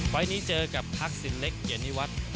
วันนี้เจอกับพรรคสินเล็กเย็นนี่วัด